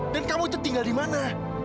dan kamu itu tinggal di mana